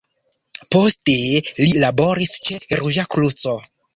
Poste li laboris ĉe Ruĝa Kruco.